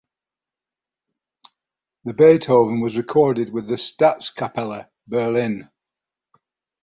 The Beethoven was recorded with the Staatskapelle Berlin.